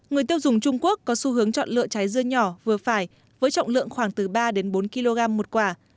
người tiêu dùng trung quốc có xu hướng chọn lựa trái dưa nhỏ vừa phải với trọng lượng khoảng từ ba đến bốn kg một quả